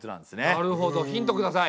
なるほどヒントください。